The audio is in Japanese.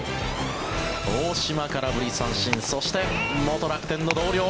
大島、空振り三振そして元楽天の同僚